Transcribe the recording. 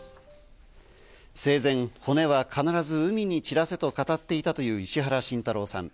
生前、骨は必ず海に散らせと語っていたという石原慎太郎さん。